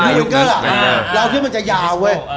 แบบยุคเนิวป์แล้วที่เรามันจะยาวเว้ย